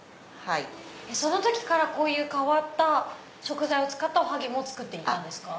その時からこういう変わった食材を使ったおはぎも作っていたんですか？